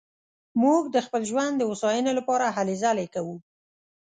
موږ د خپل ژوند د هوساينې لپاره هلې ځلې کوو